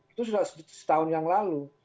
itu sudah setahun yang lalu